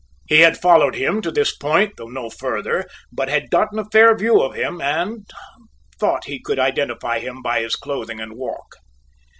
He had followed him to this point, though no further, but had gotten a fair view of him, and thought he could identify him by his clothing and walk.